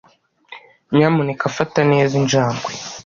Nyamuneka fata neza injangwe.